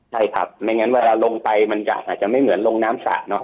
ใช่ครับไม่งั้นเวลาลงไปมันจะอาจจะไม่เหมือนลงน้ำสระเนาะ